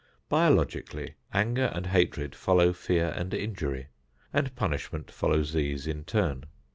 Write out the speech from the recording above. Biologically, anger and hatred follow fear and injury, and punishment follows these in turn.